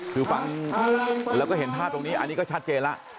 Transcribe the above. คือฟังแล้วก็เห็นภาพตรงนี้อันนี้ก็ชัดเจนแล้ว